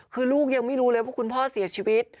คือลูกยังไม่รู้เลยว่าคุณพ่อเสียชีวิต